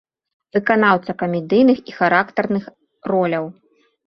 Выканаўца камедыйных і характарных роляў.